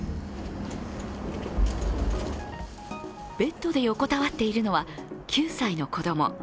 ベッドで横たわっているのは９歳の子供。